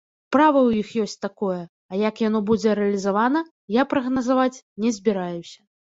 Права ў іх ёсць такое, а як яно будзе рэалізавана, я прагназаваць не збіраюся.